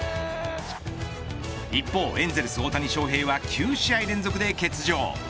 一方、エンゼルス大谷翔平は９試合連続で欠場。